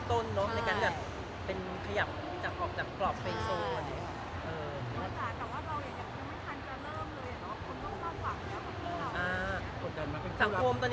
แต่ว่าเราอยากไม่ทันการเริ่มเลยเนอะ